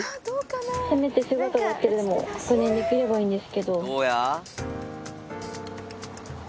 せめて姿だけでも確認できればいいんですけど。